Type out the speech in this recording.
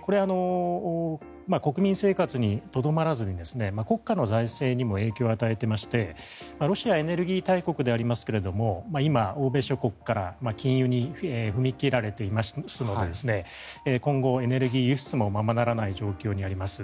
これ、国民生活にとどまらずに国家の財政にも影響を与えていましてロシアはエネルギー大国でありますけども今、欧米諸国から禁輸に踏み切られていますので今後、エネルギー輸出もままならない状況にあります。